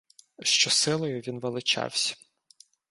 Що силою він величавсь.